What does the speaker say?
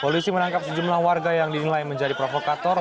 polisi menangkap sejumlah warga yang dinilai menjadi provokator